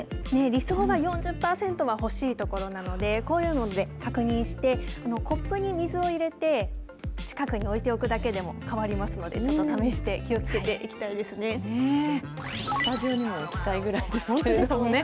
理想が４０％は欲しいところなので、こういうので確認して、コップに水を入れて、近くに置いておくだけでも変わりますので、ちょっと試して、気をつスタジオにも置きたいぐらい本当ですね。